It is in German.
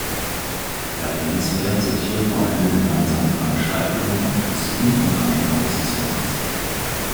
Erwähnenswert sind hier vor allem gemeinsame Veranstaltungen von Christen und Anhängern des Islams.